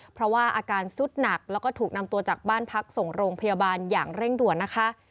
เพราะว่าอาการสุดหนักแล้วก็ถูกนำตัวจากบ้านพักส่งโรงพยาบาลอย่างเร่งด่วนนะคะ